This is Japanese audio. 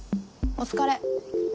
お疲れ。